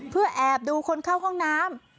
เพื่อแอบดูคนเข้าห้องน้ำ